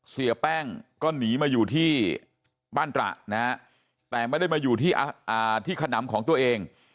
เสียแป้งก็หนีมาอยู่ที่บ้านตระนะฮะแต่ไม่ได้มาอยู่ที่ขนำของตัวเอง